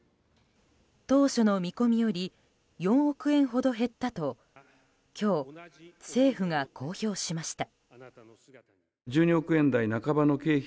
当初の見込みより４億円ほど減ったと今日、政府が公表しました。